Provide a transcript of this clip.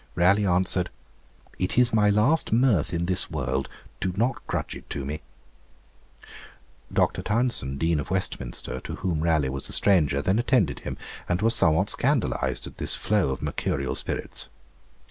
Raleigh answered, 'It is my last mirth in this world; do not grudge it to me.' Dr. Tounson, Dean of Westminster, to whom Raleigh was a stranger, then attended him; and was somewhat scandalised at this flow of mercurial spirits.